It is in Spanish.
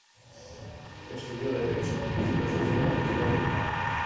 Estudió Derecho y Filosofía en Gotinga.